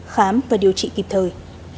khám và điều trị kịp thời